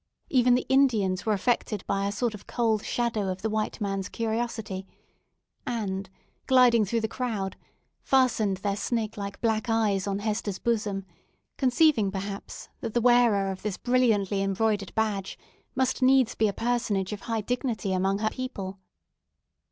Even the Indians were affected by a sort of cold shadow of the white man's curiosity and, gliding through the crowd, fastened their snake like black eyes on Hester's bosom, conceiving, perhaps, that the wearer of this brilliantly embroidered badge must needs be a personage of high dignity among her people.